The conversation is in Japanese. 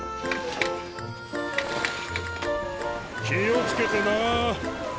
気を付けてな。